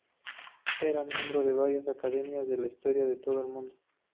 Era miembro de varias academias de historia de todo el mundo.